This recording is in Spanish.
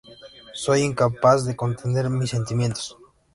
Soy incapaz de contener mis sentimientos.